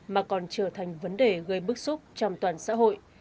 mà còn trở thành vấn đề gây bức xúc trong toàn xã hội